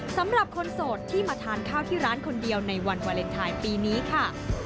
สำหรับคนโสดที่มาทานข้าวที่ร้านคนเดียวในวันวาเลนไทยปีนี้ค่ะ